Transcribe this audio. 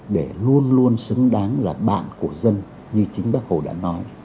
để luôn luôn xứng đáng là bạn của dân như chính bác hồ đã nói